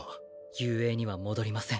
雄英には戻りません。